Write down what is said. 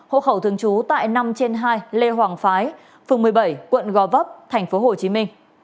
hộ khẩu thường trú tại năm trên hai lê hoàng phái phường một mươi bảy quận gò vấp tp hcm